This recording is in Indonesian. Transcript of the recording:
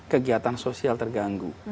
kegiatan sosial terganggu